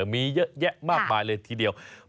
มีเยอะแยะมากมายเลยทีเดียว